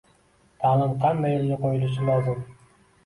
Taʼlim qanday yoʻlga qoʻyilishi lozim?